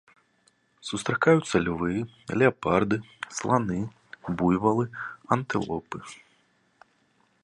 Сустракаюцца львы, леапарды, сланы, буйвалы, антылопы.